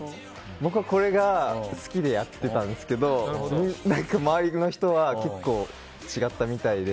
僕、これが好きでやってたんですけど周りの人は結構、違ったみたいで。